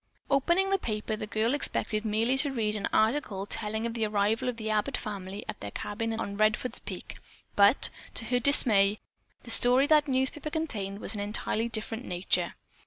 Opening the paper, the girl expected merely to read an article telling of the arrival of the Abbott family at their cabin on Redfords Peak, but, to her dismay, the story that newspaper contained was of an entirely different nature.